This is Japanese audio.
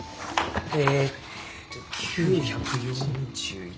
えっと９４１。